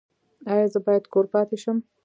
ایا زه باید کور پاتې شم؟